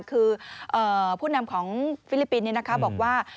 คือผู้นำของฟิลิปปินส์บอกว่า